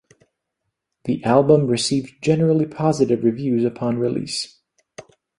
The album received generally positive reviews upon release.